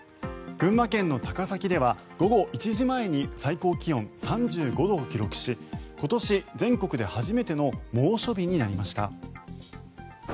群馬県の高崎では午後１時前に最高気温３５度を記録し今年全国で初めての猛暑日になりました。